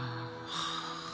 はあ。